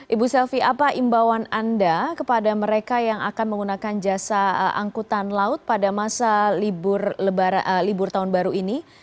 ibu selvi apa imbauan anda kepada mereka yang akan menggunakan jasa angkutan laut pada masa libur tahun baru ini